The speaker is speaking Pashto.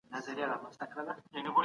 غازیال